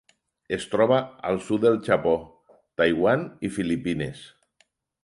Es troba al sud del Japó, Taiwan i Filipines.